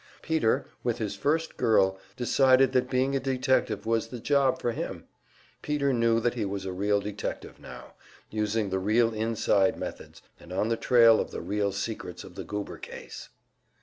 Peter, with his first girl, decided that being a detective was the job for him! Peter knew that he was a real detective now, using the real inside methods, and on the trail of the real secrets of the Goober case!